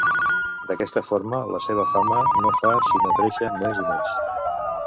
D'aquesta forma la seva fama no fa sinó créixer més i més.